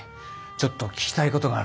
ちょっと聞きたいことがあるんだ。